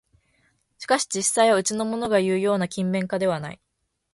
しかし実際はうちのものがいうような勤勉家ではない